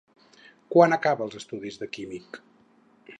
Quan acaba els estudis de químic?